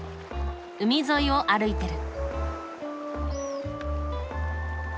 海沿いを歩いてる。